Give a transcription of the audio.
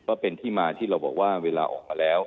ก็เป็นที่มาที่เราบอกว่าเวลาออกมาแล้ว